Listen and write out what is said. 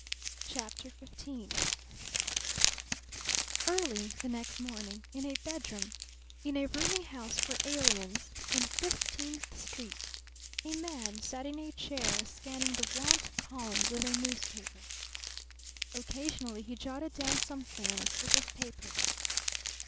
CHAPTER XV Early the next morning in a bedroom in a rooming house for aliens in Fifteenth Street, a man sat in a chair scanning the want columns of a newspaper. Occasionally he jotted down something on a slip of paper.